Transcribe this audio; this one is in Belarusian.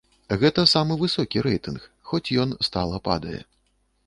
Гэта самы высокі рэйтынг, хоць ён стала падае.